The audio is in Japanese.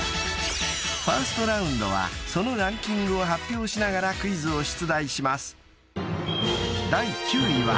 ［ファーストラウンドはそのランキングを発表しながらクイズを出題します］